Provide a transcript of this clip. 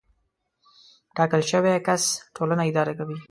ټاکل شوی کس ټولنه اداره کوي.